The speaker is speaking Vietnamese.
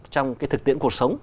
trong cái thực tiễn cuộc sống